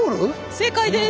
正解です。